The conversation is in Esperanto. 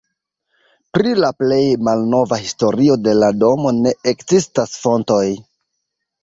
Pri la plej malnova historio de la domo ne ekzistas fontoj.